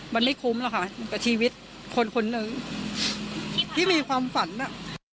มันไม่คุ้มหรอกค่ะกับชีวิตคนคนหนึ่งที่มีความฝันอ่ะ